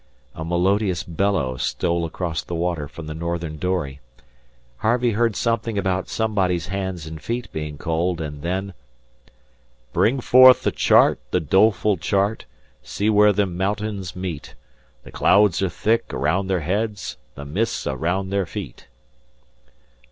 A melodious bellow stole across the water from the northern dory. Harvey heard something about somebody's hands and feet being cold, and then: "Bring forth the chart, the doleful chart, See where them mountings meet! The clouds are thick around their heads, The mists around their feet."